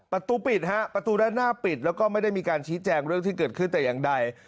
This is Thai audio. ประตูปิดฮะประตูด้านหน้าปิดแล้วก็ไม่ได้มีการชี้แจงเรื่องที่เกิดขึ้นแต่อย่างใด